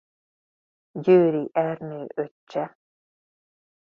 Győri Ernő öccse.